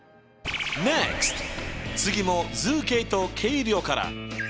次も「図形と計量」から。